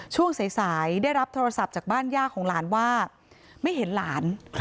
ช่วงสายได้รับโทรศัพท์จากบ้านย่าของหลานว่าไม่เห็นหลาน